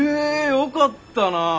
よかったな！